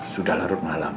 sudah larut malam